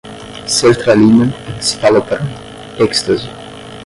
sertralina, citalopram, ecstazy